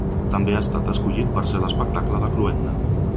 També ha estat escollit per ser l’espectacle de cloenda.